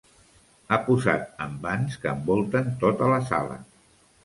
Ha posat envans que envolten tota la sala.